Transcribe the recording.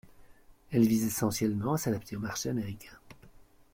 Elle vise essentiellement à s'adapter aux marché américain.